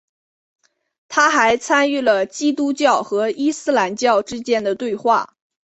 他还参与了基督教和伊斯兰教之间的对话。